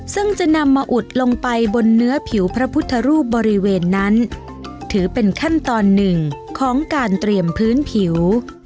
ซึ่งจะนำมาอุดลงไปบนเนื้อผิวพระพุทธรูปบริเวณนั้นถือเป็นขั้นตอนหนึ่งของการเตรียมพื้นผิว